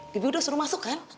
bibi sudah suruh masuk kan